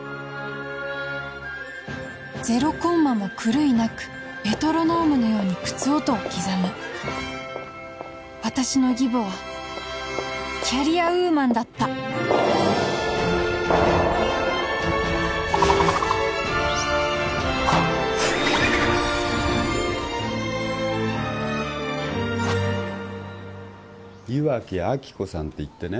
ゼロコンマも狂いなくメトロノームのように靴音を刻む私の義母はキャリアウーマンだった岩木亜希子さんっていってね